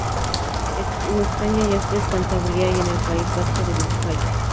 En España en Asturias, Cantabria y en el País Vasco en Vizcaya.